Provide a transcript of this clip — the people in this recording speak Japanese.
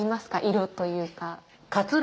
色というか。